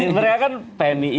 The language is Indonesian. mereka kan pmi